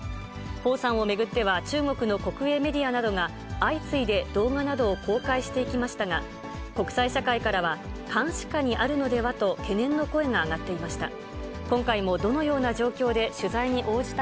彭さんを巡っては、中国の国営メディアなどが、相次いで動画などを公開してきましたが、国際社会からは監視下にあるのではと懸念の声が上がっていました。